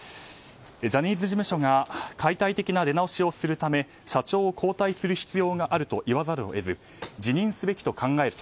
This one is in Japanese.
ジャニーズ事務所が解体的な出直しをするため社長を交代する必要があると言わざるを得ず辞任すべきと考える